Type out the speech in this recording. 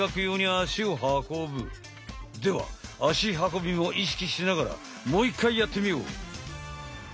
では足運びも意識しながらもう一回やってみよう！